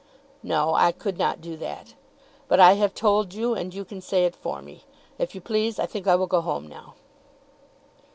"No; I could not do that. But I have told you, and you can say it for me. If you please, I think I will go home now."